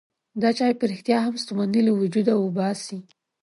دا چای په رښتیا هم ستوماني له وجوده وباسي.